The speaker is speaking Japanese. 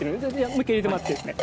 もう一回入れてもらってですね